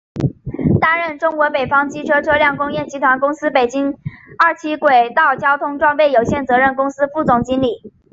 担任中国北方机车车辆工业集团公司北京二七轨道交通装备有限责任公司副总经理。